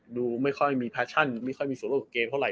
ดูไม่ค่อยมีแฟชั่นไม่ค่อยมีส่วนโลกเกมเท่าไหร่